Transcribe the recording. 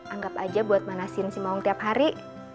anggap aja buat manasin si maung tiap hari